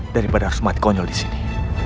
daripada harus mati konyol disini